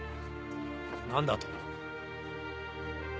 何だと？